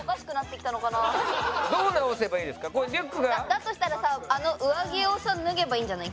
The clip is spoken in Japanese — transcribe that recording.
だとしたらさあの上着をさ脱げばいいんじゃない？